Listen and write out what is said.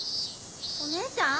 ・お姉ちゃん？